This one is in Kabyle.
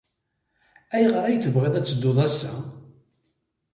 Ayɣer ay tebɣiḍ ad tedduḍ ass-a?